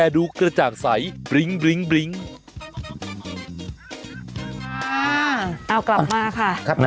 เอากลับมาค่ะ